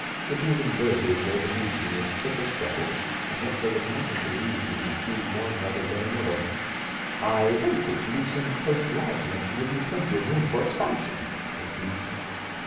Cities and villages lay beneath me as thick as freckles, and yet there was nothing to lead me to choose one rather than another. "I think it should be some place large enough to give you plenty of room for expansion," said he.